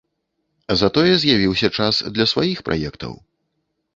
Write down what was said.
Затое з'явіўся час для сваіх праектаў.